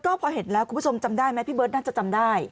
ก็พอเห็นแล้วคุณผู้ชมจำได้ไหมพี่เบิร์ตน่าจะจำได้